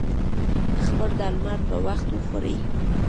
خپل درمل پر وخت وخوری